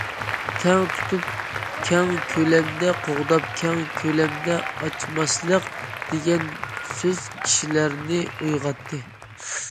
« تەڭ تۇتۇپ كەڭ كۆلەمدە قوغداپ، كەڭ كۆلەمدە ئاچماسلىق» دېگەن سۆز كىشىلەرنى ئويغاتتى.